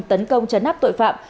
tấn công chấn áp tội phạm